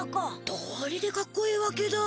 どうりでかっこいいわけだ！